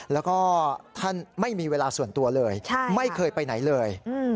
แล้วก็ท่านไม่มีเวลาส่วนตัวเลยไม่เคยไปไหนเลย